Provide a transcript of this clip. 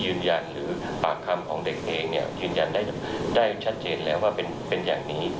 ยืนยันหรือปากคำของเด็กเองเนี่ยยืนยันได้ชัดเจนแล้วว่าเป็นอย่างนี้